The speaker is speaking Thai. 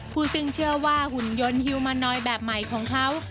ซึ่งเชื่อว่าหุ่นยนต์ฮิลมานอยแบบใหม่ของเขา